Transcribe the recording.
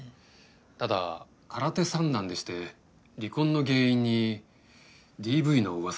ただ空手三段でして離婚の原因にＤＶの噂が。